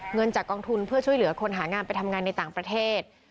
เงินจากกองทุนเพื่อช่วยเหลือคนหางานไปทำงานในต่างประเทศ